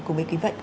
cùng với ký vận